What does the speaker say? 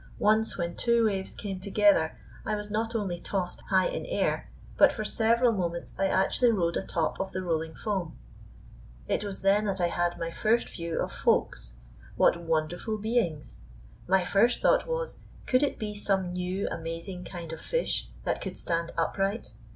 Once when two waves came together I was not only tossed high in air, but for several moments I actually rode atop of the rolling foam. It was then that I had my first view of "Folks." What wonderful beings! My first thought was, could it be some new, amazing kind of fish that could stand upright?